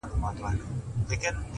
له نننۍ هڅې سبا جوړېږي،